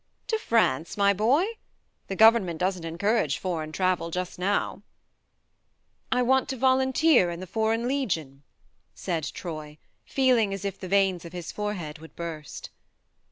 " To France, my boy ? The Govern ment doesn't encourage foreign travel just now." 58 THE MARNE " I want to volunteer in the Foreign Legion," said Troy, feeling as if the veins of his forehead would burst.